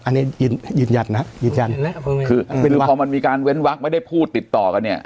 อันนี้ยืนยันยืนยันนะยืนยันคือพอมันมีการเว้นวักไม่ได้พูดติดต่อกันเนี่ย